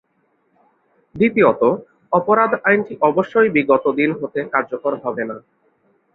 দ্বিতীয়ত, অপরাধ আইনটি অবশ্যই বিগতদিন হতে কার্যকর হবে না।